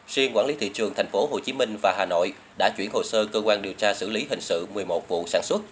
riêng quản lý thị trường tp hcm và hà nội đã chuyển hồ sơ cơ quan điều tra xử lý hình sự một mươi một vụ sản xuất